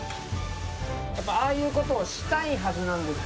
やっぱああいう事をしたいはずなんですよ